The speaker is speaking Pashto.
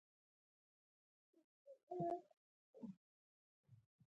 هغه پهخپلو خبرو کې غلو او مفسدو سهم لرونکو ته اشاره وکړه